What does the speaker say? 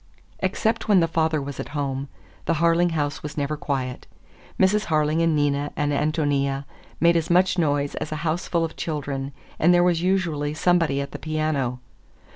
Except when the father was at home, the Harling house was never quiet. Mrs. Harling and Nina and Ántonia made as much noise as a houseful of children, and there was usually somebody at the piano.